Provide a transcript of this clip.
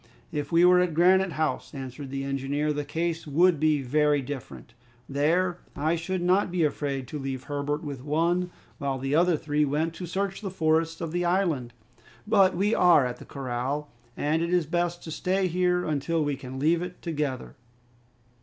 "If we were at Granite House," answered the engineer, "the case would be very different. There I should not be afraid to leave Herbert with one, while the other three went to search the forests of the island. But we are at the corral, and it is best to stay here until we can leave it together."